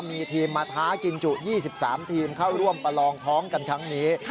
มีทีมมาท้ากินจุ๒๓ทีมเข้าร่วมประลองท้องกันครั้งนี้